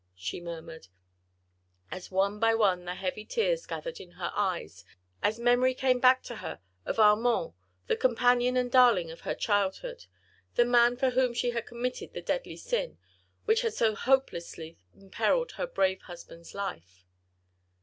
she murmured, as one by one the heavy tears gathered in her eyes, as memory came back to her of Armand, the companion and darling of her childhood, the man for whom she had committed the deadly sin, which had so hopelessly imperilled her brave husband's life.